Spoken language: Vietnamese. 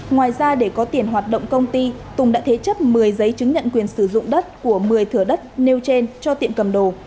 ngoài ra để có tiền hoạt động công ty tùng đã thế chấp một mươi giấy chứng nhận quyền sử dụng đất của một mươi thửa đất nêu trên cho tiệm cầm đồ